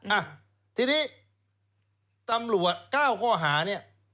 อ่ะทีนี้ตำรวจ๙ข้อหาเนี่ย